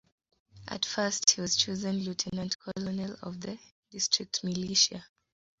At first he was chosen lieutenant colonel of the district militia.